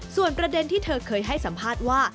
ส่วนประเด็นที่เธอเคยให้สัมภาษณ์ว่า